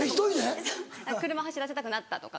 そう車走らせたくなったとか。